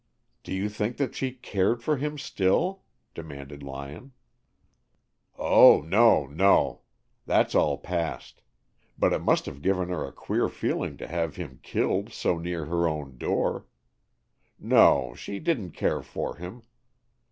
"Do you think that she cared for him still?" demanded Lyon. "Oh, no, no! That's all past. But it must have given her a queer feeling to have him killed so near her own door. No, she didn't care for him.